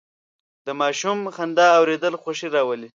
د ماشوم خندا اورېدل خوښي راولي.